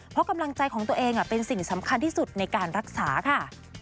เพราะกำลังใจของตัวเองเป็นสิ่งสำคัญที่สุดในการรักษาค่ะ